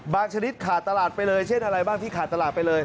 ชนิดขาดตลาดไปเลยเช่นอะไรบ้างที่ขาดตลาดไปเลย